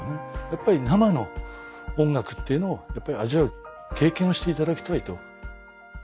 やっぱり生の音楽っていうのを味わう経験をしていただきたいと。